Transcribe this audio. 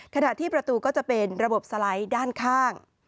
ขณะที่ประตูก็จะเป็นระบบสไลด์ด้านข้าง